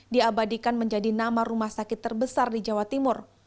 diabadikan menjadi nama rumah sakit terbesar di jawa timur